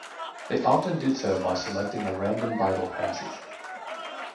They often did so by selecting a random Bible passage.